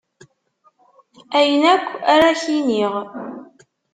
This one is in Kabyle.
Ayen akk, ar ad ak-iniɣ.